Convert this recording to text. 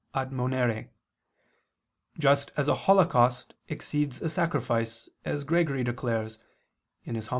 Admonere) just as a holocaust exceeds a sacrifice, as Gregory declares (Hom.